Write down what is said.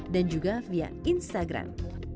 dan juga via instagram